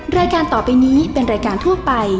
รายการต่อไปนี้เป็นรายการทั่วไป